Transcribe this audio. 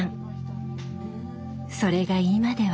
それが今では。